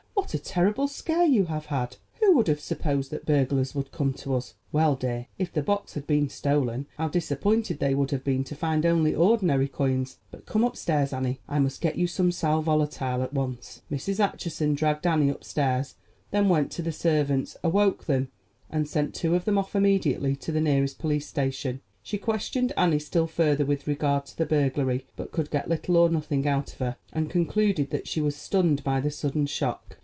What a terrible scare you have had! Who would have supposed that burglars would come to us? Well, dear, if the box had been stolen, how disappointed they would have been to find only ordinary coins. But come upstairs, Annie; I must get you some sal volatile at once." Mrs. Acheson dragged Annie upstairs, then went to the servants, awoke them, and sent two of them off immediately to the nearest police station. She questioned Annie still further with regard to the burglary; but could get little or nothing out of her, and concluded that she was stunned by the sudden shock.